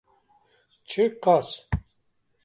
Çi qas